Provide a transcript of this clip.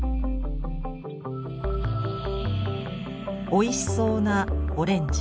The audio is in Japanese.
おいしそうなオレンジ。